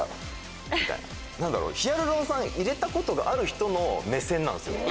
ヒアルロン酸入れたことがある人の目線なんですよ。